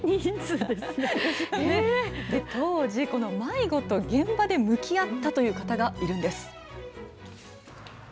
当時、この迷子と現場で向き合ったという方がいるんです。